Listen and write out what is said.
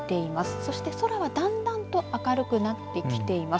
そして空はだんだんと明るくなってきています。